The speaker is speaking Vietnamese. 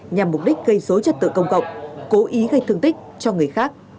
nhằm mục đích gây dối trật tự công cộng cố ý gây thương tích cho người khác